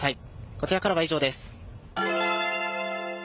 こちらからは以上です。